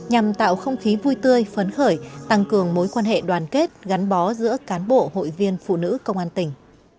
học khí vui tươi phấn khởi tăng cường mối quan hệ đoàn kết gắn bó giữa cán bộ hội viên phụ nữ công an tỉnh